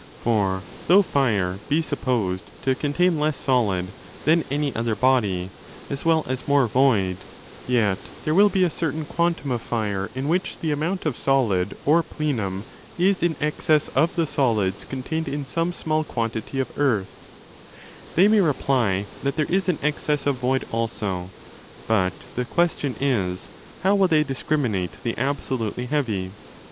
For though fire be supposed to 3° contain less solid than any other body, as well as more void, yet there will be a certain quantum of fire in which the amount of solid or plenum is in excess of the solids contained in some small quantity of earthe They may reply that there is an excess of void also. But the question is, how will they discriminate the absolutely heavy?